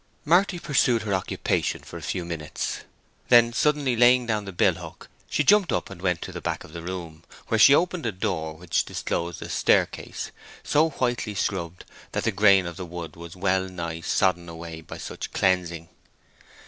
Marty pursued her occupation for a few minutes, then suddenly laying down the bill hook, she jumped up and went to the back of the room, where she opened a door which disclosed a staircase so whitely scrubbed that the grain of the wood was wellnigh sodden away by such cleansing.